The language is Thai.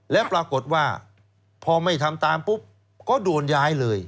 แล้วปรากฏว่าพอไม่ทำตามปุ๊บก็โดนย้ายเลย